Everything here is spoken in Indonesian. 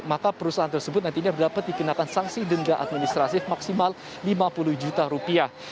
maka perusahaan tersebut nantinya dapat dikenakan sanksi denda administrasif maksimal lima puluh juta rupiah